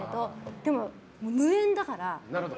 でも、無縁だから。